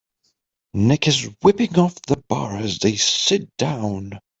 Nick is wiping off the bar as they sit down.